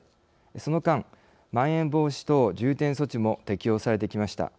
その間、まん延防止等重点措置も適用されてきました。